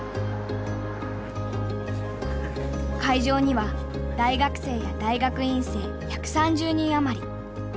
会場には大学生や大学院生１３０人余り。